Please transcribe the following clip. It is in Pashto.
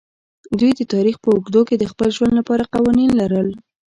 دوی د تاریخ په اوږدو کې د خپل ژوند لپاره قوانین لرل.